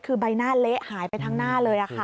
คือใบหน้าเละหายไปทั้งหน้าเลยค่ะ